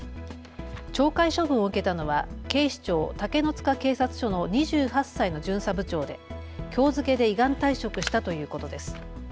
懲戒処分を受けたのは警視庁竹の塚警察署の２８歳の巡査部長できょう付けで依願退職したということです。